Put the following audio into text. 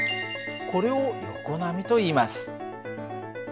これを横波といいます。